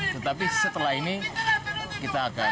tetapi setelah ini kita akan